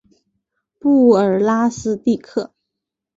布尔拉斯蒂克。